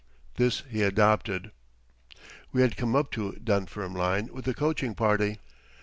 This he adopted. We had come up to Dunfermline with a coaching party.